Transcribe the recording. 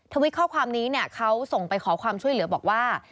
วิตข้อความนี้เนี่ยเขาส่งไปขอความช่วยเหลือบอกว่า